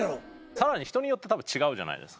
さらに人によってたぶん違うじゃないですか。